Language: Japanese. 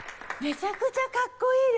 めちゃくちゃかっこいいですね。